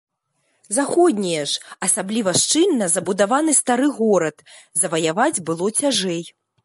Заходнія ж, асабліва шчыльна забудаваны стары горад, заваяваць было цяжэй.